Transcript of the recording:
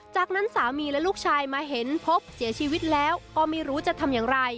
จากนั้นสามีและลูกชายมาเห็นพบเสียชีวิตแล้วก็ไม่รู้จะทำอย่างไร